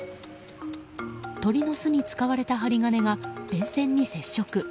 鳥の巣に使われた針金が電線に接触。